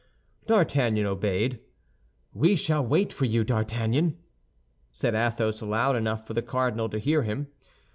D'Artagnan obeyed. "We shall wait for you, D'Artagnan," said Athos, loud enough for the cardinal to hear him.